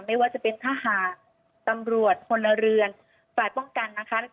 ไม่ว่าจะเป็นทหารตำรวจพลเรือนฝ่ายป้องกันนะคะ